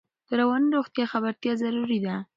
د رواني روغتیا خبرتیا ضروري ده.